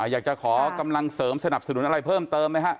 อยากจะขอกำลังเสริมสนับสนุนอะไรเพิ่มเติมไหมฮะ